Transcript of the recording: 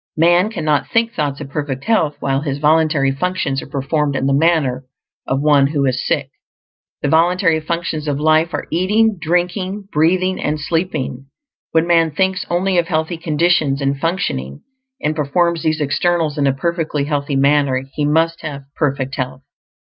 Man cannot think thoughts of perfect health while his voluntary functions are performed in the manner of one who is sick. The voluntary functions of life are eating, drinking, breathing, and sleeping. When man thinks only of healthy conditions and functioning, and performs these externals in a perfectly healthy manner, he must have perfect health.